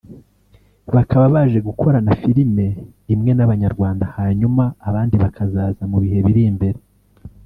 bakaba baje gukorana filime imwe n’Abanyarwanda hanyuma abandi bakazaza mu bihe biri imbere